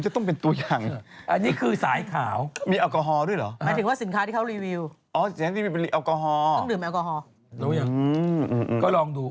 ต้องดื่มแอลกอฮอล์รู้หรือยังก็ลองดู